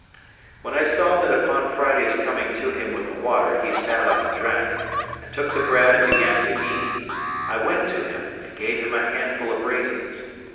When I saw that upon Friday's coming to him with the water he sat up and drank, and took the bread and began to eat, I went to him and gave him a handful of raisins.